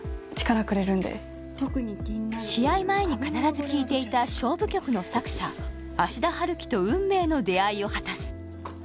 力くれるんで試合前に必ず聴いていた勝負曲の作者芦田春樹と運命の出会いを果たす